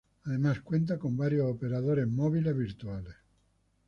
Además cuenta con varios operadores móviles virtuales.